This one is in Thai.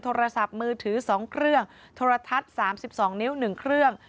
โทรศัพท์มือถือ๒เครื่องโทรทัศน์๓๒นิ้ว๑เครื่อง